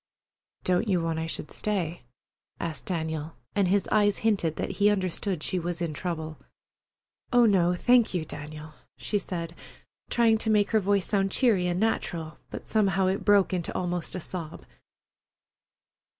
"Don't you want I should stay?" asked Daniel, and his eyes hinted that he understood she was in trouble. "Oh, no, thank you, Daniel," she said, trying to make her voice sound cheery and natural, but somehow it broke into almost a sob.